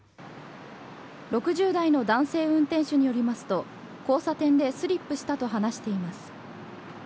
６０代の男性運転手によりますと交差点でスリップしたと話しています。